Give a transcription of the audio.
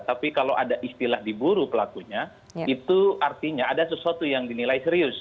tapi kalau ada istilah diburu pelakunya itu artinya ada sesuatu yang dinilai serius